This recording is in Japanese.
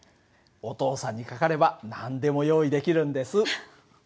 お父さんにかかれば何でも用意できるんです。